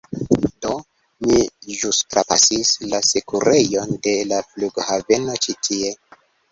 Do, mi ĵus trapasis la sekurejon de la flughaveno ĉi tie